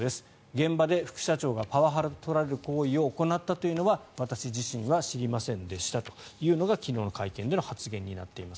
現場で副社長がパワハラと取られる行為を行ったというのは私自身は知りませんでしたというのが昨日の会見での発言になっています。